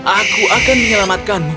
aku akan menyelamatkanmu